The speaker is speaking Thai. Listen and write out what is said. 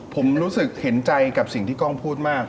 ผมรู้สึกเห็นใจกับสิ่งที่กล้องพูดมาก